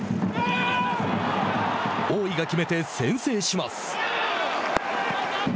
大井が決めて先制します。